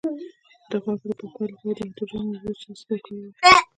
د غوږ د پاکوالي لپاره د هایدروجن او اوبو څاڅکي وکاروئ